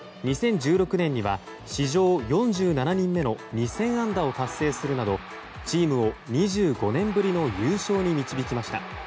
２０１６年には史上４７人目の２０００安打を達成するなどチームを２５年ぶりの優勝に導きました。